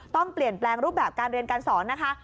ต้องเปลี่ยนแปลงรูปแบบการเรียนการสอนนะคะ